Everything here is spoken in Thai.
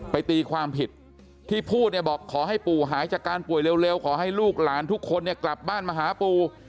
ตีความผิดที่พูดเนี่ยบอกขอให้ปู่หายจากการป่วยเร็วขอให้ลูกหลานทุกคนเนี่ยกลับบ้านมาหาปู่